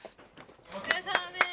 おつかれさまです！